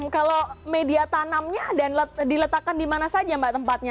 kalau media tanamnya dan diletakkan di mana saja mbak tempatnya